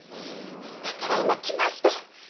だから今来ました。